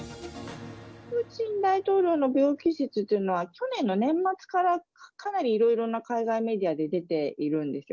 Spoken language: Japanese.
プーチン大統領の病気説というのは、去年の年末からかなりいろいろな海外メディアで出ているんですよ。